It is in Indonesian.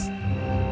itu terlihat jelas